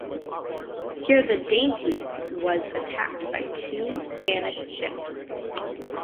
Here the "Dainty" was attacked by two Spanish ships.